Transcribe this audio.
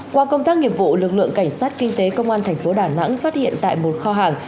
qua công tác nghiệp vụ lực lượng cảnh sát kinh tế công an thành phố đà nẵng phát hiện tại một kho hàng